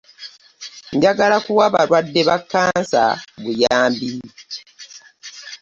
Njagala kuwa balwadde ba kansa buyambi?